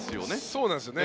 そうなんですよね。